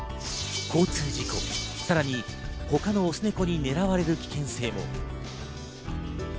交通事故、さらに他のオスネコに狙われる危険性も。